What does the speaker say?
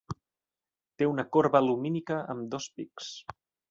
Té una corba lumínica amb dos pics.